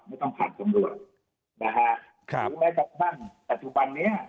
ไม่ต้องผ่านตำรวจนะครับหรือแม้ตอนปัจจุบันเนี่ย